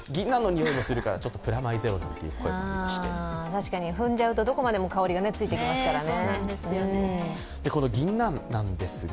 確かに、踏んじゃうとどこまでも香りがついてきますからね。